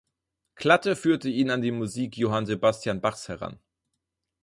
Klatte führte ihn an die Musik Johann Sebastian Bachs heran.